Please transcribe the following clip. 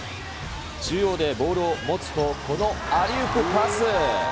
中央でボールを持つと、このアリウープパス。